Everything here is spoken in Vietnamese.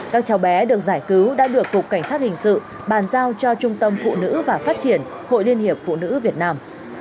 các cháu bé được giải cứu đã được cục cảnh sát hình sự bàn giao cho trung tâm phụ nữ và phát triển hội liên hiệp phụ nữ việt nam